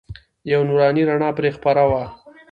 یوه نوراني رڼا پرې خپره وه.